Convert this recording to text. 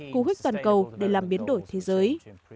cú huyết toàn cầu để làm biến đổi thế giới